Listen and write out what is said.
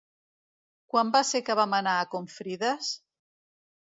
Quan va ser que vam anar a Confrides?